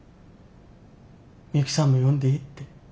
ミユキさんも呼んでいいって。